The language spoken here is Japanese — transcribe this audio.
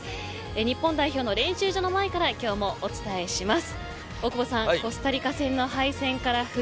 日本代表の練習場の前から今日もお伝えします。